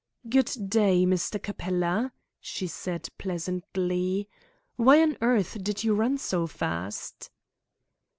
"Good day, Mr. Capella," she said pleasantly. "Why on earth did you run so fast?"